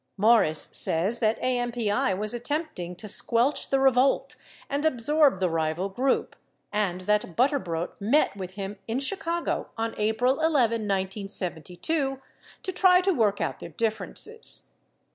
52 Morris says that AMPI was attempting to squelch the revolt and absorb the rival group and that Butterbrodt met with him in Chicago on April 11, 1972, to try to work out their dif ferences.